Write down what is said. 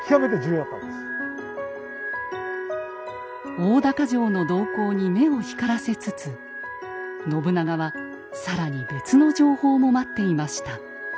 大高城の動向に目を光らせつつ信長は更に別の情報も待っていました。